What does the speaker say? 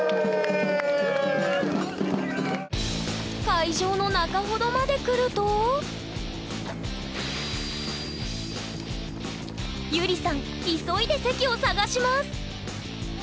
会場の中ほどまで来るとゆりさん急いで席を探します。